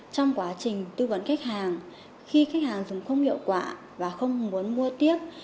trong quá trình tư vấn khách hàng khi khách hàng dùng không hiệu quả và không muốn mua tiếp